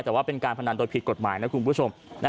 แต่ว่าเป็นการพนันโดยผิดกฎหมายนะคุณผู้ชม